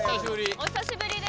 お久しぶりです。